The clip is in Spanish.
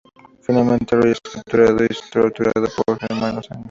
Finalmente, Roy es capturado y torturado por el Hermano Sangre.